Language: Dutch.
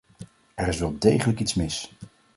Er is wel degelijk iets mis.